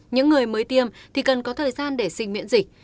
những người mới tiêm thì cần có thời gian để sinh miễn dịch